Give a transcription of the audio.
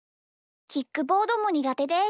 キックボードもにがてです。